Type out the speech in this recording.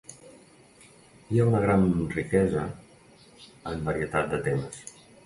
Hi ha una gran riquesa en varietat de temes.